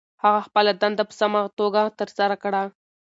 هغه خپله دنده په سمه توګه ترسره کړه.